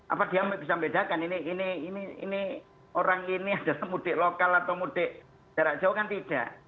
apa dia bisa membedakan ini orang ini adalah mudik lokal atau mudik jarak jauh kan tidak